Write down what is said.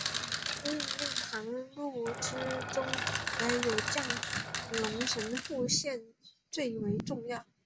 命令航路之中也以基隆神户线最为重要。